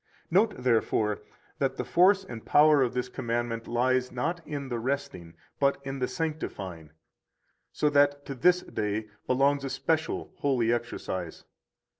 94 Note, therefore, that the force and power of this commandment lies not in the resting, but in the sanctifying, so that to this day belongs a special holy exercise.